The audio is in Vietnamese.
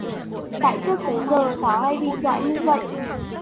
tại trước tới giờ thảo hay bị dọa như vậy